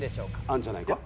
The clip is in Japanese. あるんじゃないか？